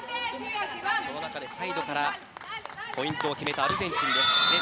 サイドからポイントを決めたアルゼンチンです。